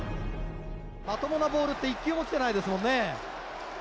まともなボールって一球も来てないですもんね。